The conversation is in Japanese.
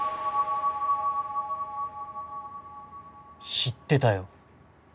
知ってたよ。